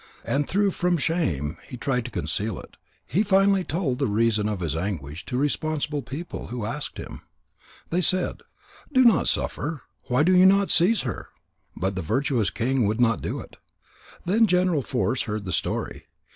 And though from shame he tried to conceal it, he finally told the reason of his anguish to responsible people who asked him. They said: "Do not suffer. Why do you not seize her?" But the virtuous king would not do it. Then General Force heard the story.